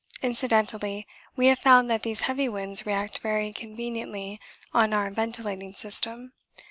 Incidentally we have found that these heavy winds react very conveniently on our ventilating system.